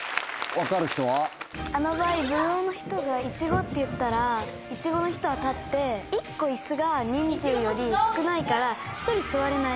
あの場合ぶどうの人がイチゴって言ったらイチゴの人は立って１個椅子が人数より少ないから１人座れない。